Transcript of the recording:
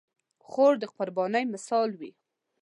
خور د قربانۍ مثال وي.